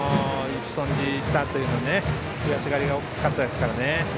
打ち損じしたというはね悔しがりが大きかったですね。